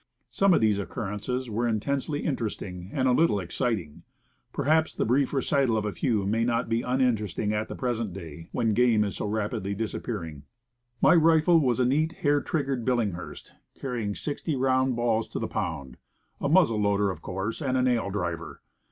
Some of these occurrences were intensely interesting, and a little exciting. Per haps the brief recital of a few may not be uninterest ing at the present day, when game is so rapidly dis appearing. My rifle was a neat, hair triggered Billinghurst, carrying sixty round balls to the pound, a muzzle loader, of course, and a nail driver.